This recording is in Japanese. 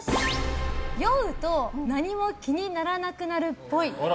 酔うと何も気にならなくなるっぽい。